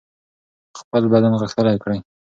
خپل بدن غښتلی کړئ.